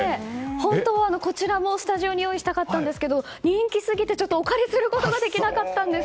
本当はこちらもスタジオに用意したかったんですが人気すぎてお借りすることができなかったんです。